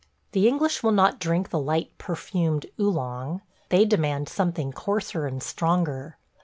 The English will not drink the light, perfumed Oolong. They demand something coarser and stronger.